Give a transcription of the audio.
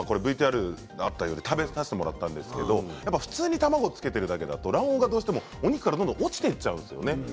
僕もＶＴＲあったように食べさせてもらったんですけどやっぱ普通に卵をつけているだけだと卵黄がどうしてもお肉からどんどん落ちていっちゃうんですよね。